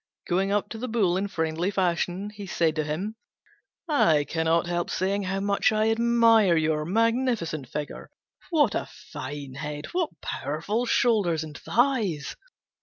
Going up to the Bull in friendly fashion, he said to him, "I cannot help saying how much I admire your magnificent figure. What a fine head! What powerful shoulders and thighs!